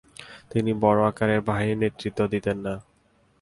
তিনি বড় আকারের বাহিনীর নেতৃত্ব দিতেন না।